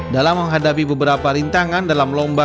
dalam menghadapi beberapa rintangan dalam lomba